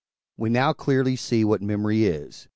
We now clearly see what Memory is.